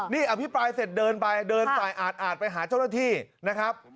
นี่อภิปรายเสร็จเดินไปเดินสายอาดไปหาเจ้าหน้าที่นะครับ